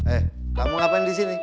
eh kamu ngapain di sini